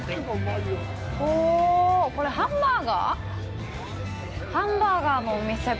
おぉこれハンバーガー？